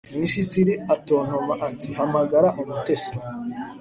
minisitiri atontoma ati 'hamagara umutetsi